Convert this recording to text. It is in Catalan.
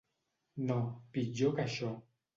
No, pitjor que això.